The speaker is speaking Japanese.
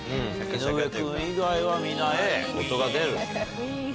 井上君以外は皆Ａ音が出る。